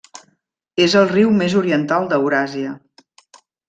És el riu més oriental d'Euràsia.